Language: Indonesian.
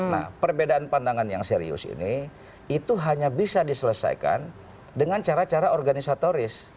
nah perbedaan pandangan yang serius ini itu hanya bisa diselesaikan dengan cara cara organisatoris